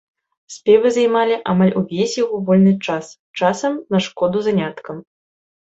Спевы займалі амаль увесь яго вольны час, часам на шкоду заняткам.